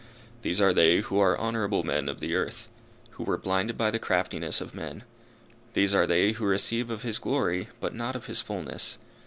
These are they who are honourable men of the earth, who were blinded by the craftiness of men. These are they who receive of his glory, but not of his fulness.